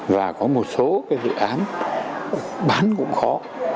và có một số cái dự án bán cũng khó